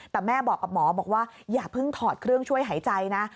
แต่แม่บอกกับหมอบอกว่าอย่าเพิ่งถอดเครื่องช่วยหายใจนะ